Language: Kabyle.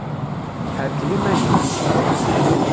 Ḥerkel iman-im!